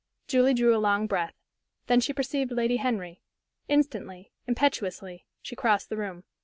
Julie drew a long breath. Then she perceived Lady Henry. Instantly, impetuously, she crossed the room.